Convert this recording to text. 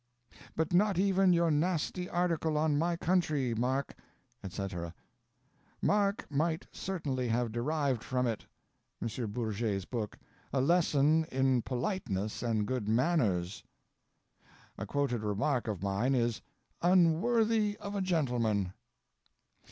"But not even your nasty article on my country, Mark," etc. "Mark might certainly have derived from it" (M. Bourget's book) "a lesson in politeness and good manners." A quoted remark of mine is "unworthy of a gentleman."